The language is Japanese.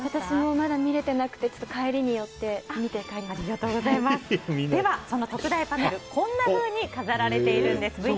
私もまだ見れてなくてでは特大パネルこんなふうに飾られているんです。